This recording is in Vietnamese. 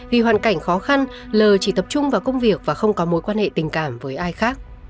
vì hoàn cảnh khó khăn lờ chỉ tập trung vào công việc và không có mối quan hệ tình cảm với ai khác